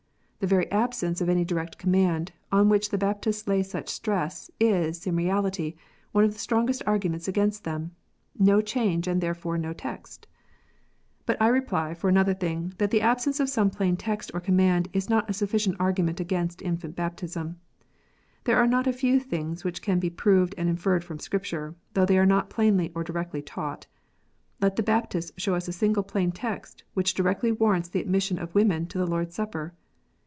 The very absence of any direct command, on which the Baptists lay such stress, is, in reality, one of the strongest arguments against them ! No change and therefore no text ! But I reply, for another thing, that the absence of some plain text or command is not a sufficient argument against infant baptism. There are not a few things which can be proved and inferred from Scripture, though they are not plainly and directly taught. Let the Baptist show us a single plain text which directly warrants the admission of women to the Lord s Supper.